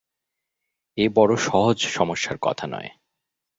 এ বড় সহজ সমস্যার কথা নয়।